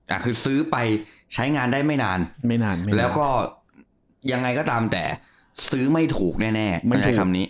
อ่าคือซื้อไปใช้งานได้ไม่นานแล้วก็ยังไงก็ตามแต่ซื้อไม่ถูกแน่ในคำนี้